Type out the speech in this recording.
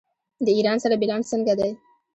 د ایران سره بیلانس څنګه دی؟